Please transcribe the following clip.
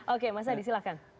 oke mas adi silakan